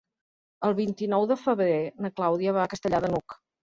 El vint-i-nou de febrer na Clàudia va a Castellar de n'Hug.